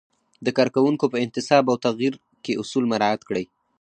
د کارکوونکو په انتصاب او تغیر کې اصول مراعت کړئ.